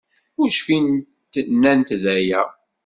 Ur cfint nnant-d aya.